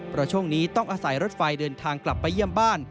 เพราะช่วงนี้ต้องอาศัยรถไฟเดินทางกลับไปเยี่ยมบ้าน